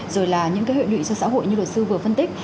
rồi là những cái hội nụy cho xã hội như đội sư vừa phân tích